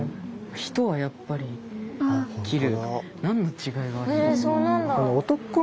「人」はやっぱり切る。